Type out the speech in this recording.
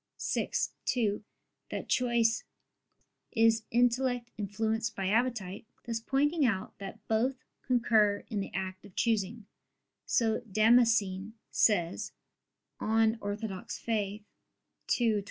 vi, 2) that choice "is intellect influenced by appetite," thus pointing out that both concur in the act of choosing; so Damascene says (De Fide Orth.